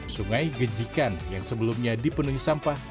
sungai gejikan yang sebelumnya dipenuhi sampah